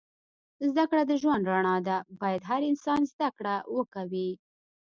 زده کړه د ژوند رڼا ده. باید هر انسان زده کړه وه کوی